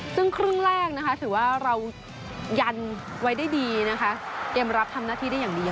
ซึ่งครึ่งแรกนะคะถือว่าเรายันไว้ได้ดีนะคะเกมรับทำหน้าที่ได้อย่างเดียว